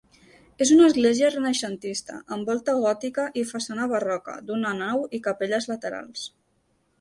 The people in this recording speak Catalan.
És una església renaixentista, amb volta gòtica i façana barroca, d'una nau i capelles laterals.